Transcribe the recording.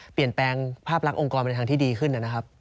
เปลี่ยนแปลงภาพรักองค์กรเป็นทางที่ดีขึ้น